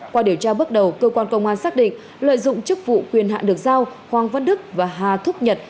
qua điều tra bước đầu cơ quan công an xác định lợi dụng chức vụ quyền hạn được giao hoàng văn đức và hà thúc nhật